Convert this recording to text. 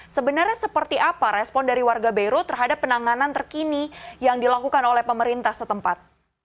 sebenarnya seperti apa respon dari warga beirut terhadap penanganan terkini yang dilakukan oleh pemerintah setempat